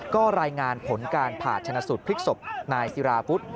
ก็รายงานผลการผ่าชนะสูตรพลิกศพนายศิราวุฒิ